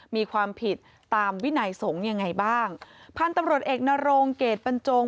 มีความผิดตามวินัยสงฆ์ยังไงบ้างพันธุ์ตำรวจเอกนโรงเกรดบรรจง